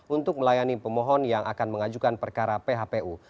untuk melayani pemohon yang akan mengajukan perkara phpu